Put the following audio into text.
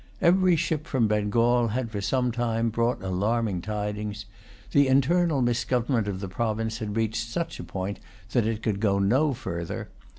Every ship from Bengal had for some time brought alarming tidings. The internal misgovernment of the province had reached such a point that it could go no further.